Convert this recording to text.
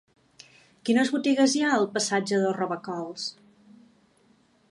Quines botigues hi ha al passatge de Robacols?